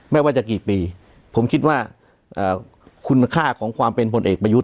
ไม่ว่าจะกี่ปีผมคิดว่าคุณค่าของความเป็นผลเอกประยุทธ์